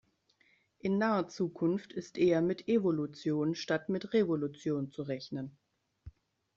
In naher Zukunft ist eher mit Evolution statt mit Revolution zu rechnen.